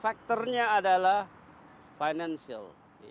faktornya adalah financial